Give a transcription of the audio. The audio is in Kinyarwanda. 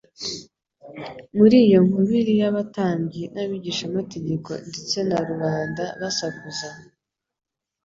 Muri iyo nkubiri y'abatambyi n'abigishamategeko ndetse na rubanda basakuza,